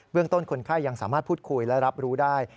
เรื่องต้นคนไข้ยังสามารถพูดคุยและรับรู้ได้